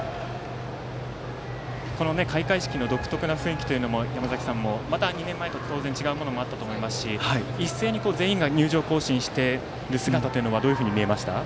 開会式の独特な雰囲気というのも山崎さんも、また２年前と当然違うものもあったと思いますしいっせいに全員が入場行進をしている姿はどういうふうに見えました？